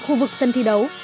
khu vực sân thi đấu